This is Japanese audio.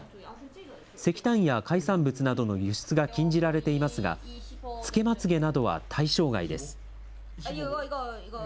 石炭や海産物などの輸出が禁じられていますが、つけまつげなどは対象外です。